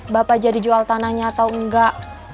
bapak jadi jual tanahnya atau enggak